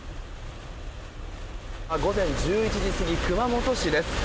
午前１１時過ぎ熊本市です。